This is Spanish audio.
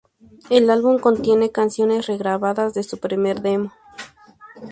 El álbum contiene canciones re-grabadas de su primer demo.